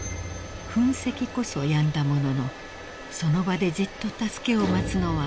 ［噴石こそやんだもののその場でじっと助けを待つのは危険すぎます］